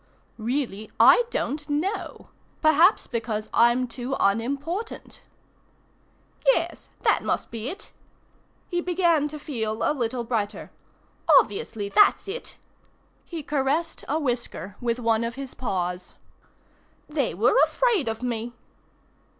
"Really, I don't know. Perhaps because I'm too unimportant." "Yes, that must be it." He began to feel a little brighter. "Obviously, that's it." He caressed a whisker with one of his paws. "They were afraid of me."